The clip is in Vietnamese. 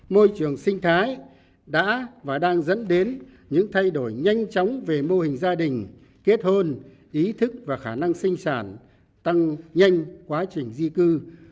môi trường sinh thái đã và đang dẫn đến những thay đổi nhanh chóng về mô hình gia đình kết hôn ý thức và khả năng sinh sản tăng nhanh quá trình di cư